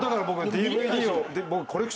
ＤＶＤの。